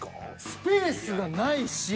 スペースがないし。